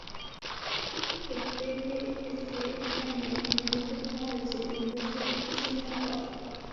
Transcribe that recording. He gave weekly essay assignments in theology to the senior class.